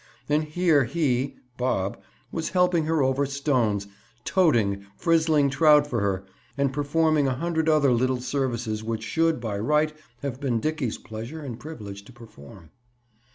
And here he (Bob) was helping her over stones, "toting" frizzling trout for her, and performing a hundred other little services which should, by right, have been Dickie's pleasure and privilege to perform.